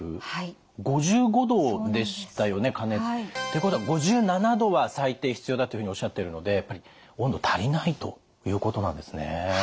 ということは５７℃は最低必要だというふうにおっしゃってるのでやっぱり温度足りないということなんですね。